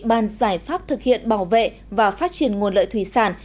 bàn giải pháp thực hiện bảo vệ và phát triển nguồn lợi thủy sản